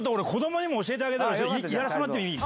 やらせてもらってもいい？